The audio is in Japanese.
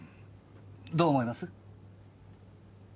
どう思います？